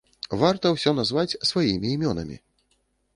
Варта ўсё назваць сваімі імёнамі.